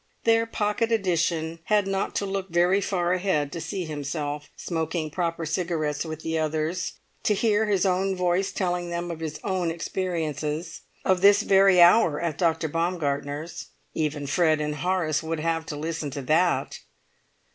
Their pocket edition had not to look very far ahead to see himself smoking proper cigarettes with the others, to hear his own voice telling them of his own experience—of this very hour at Dr. Baumgartner's. Even Fred and Horace would have to listen to that!